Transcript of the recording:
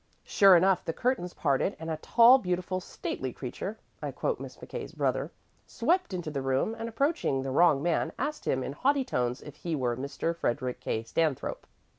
"Sure enough, the curtains parted, and a tall, beautiful, stately creature (I quote Miss McKay's brother) swept into the room, and, approaching the wrong man, asked him in haughty tones if he were Mr. Frederick K. Stanthrope.